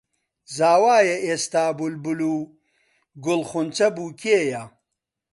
زاوایە ئێستە بولبول و گوڵخونچە بووکییە